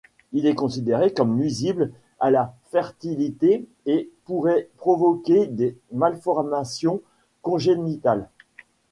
Il est considéré comme nuisible à la fertilité et pourrait provoquer des malformations congénitales.